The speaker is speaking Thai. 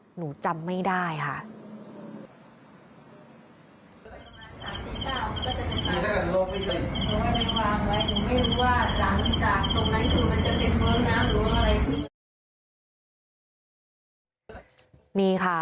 หนูจำไม่ได้ค่ะ